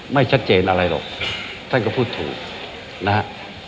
ไม่ชัดเจนอะไรหรอกท่านก็พูดถูกนะฮะ